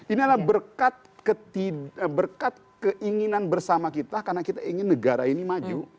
ini adalah berkat keinginan bersama kita karena kita ingin negara ini maju